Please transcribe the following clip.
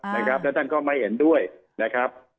แล้วท่านก็ไม่เห็นด้วยนะครับ